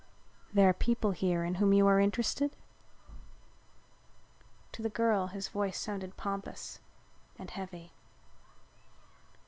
"There are people here in whom you are interested?" To the girl his voice sounded pompous and heavy.